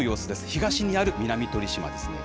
東にある南鳥島ですね。